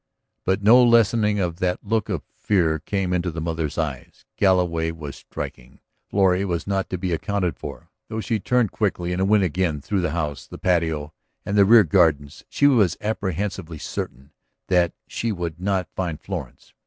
But no lessening of that look of fear came into the mother's eyes. Galloway was striking, Florrie was not to be accounted for. Though she turned quickly and went again through the house, the patio, and the rear gardens, she was apprehensively certain that she would not find Florence.